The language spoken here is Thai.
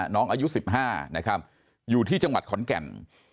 น้องอายุ๑๕นะครับอยู่ที่จังหวัดขอนแก่น